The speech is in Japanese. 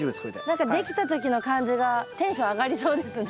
何かできた時の感じがテンション上がりそうですね。